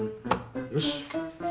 よし！